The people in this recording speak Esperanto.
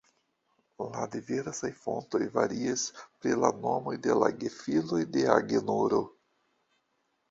La diversaj fontoj varias pri la nomoj de la gefiloj de Agenoro.